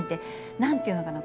何て言うのかな